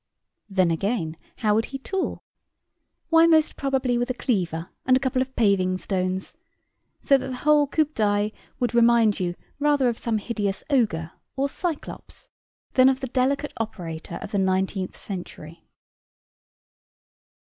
Then, again, how would he tool? Why, most probably with a cleaver and a couple of paving stones: so that the whole coup d'oeil would remind you rather of some hideous ogre or cyclops, than of the delicate operator of the nineteenth century."